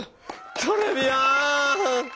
トレビアーン！